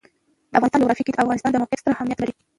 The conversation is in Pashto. د افغانستان جغرافیه کې د افغانستان د موقعیت ستر اهمیت لري.